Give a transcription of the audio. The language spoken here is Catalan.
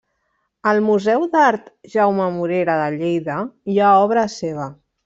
Al Museu d'Art Jaume Morera de Lleida hi ha obra seva.